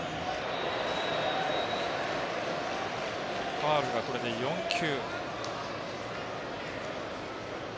ファウルが、これで４球。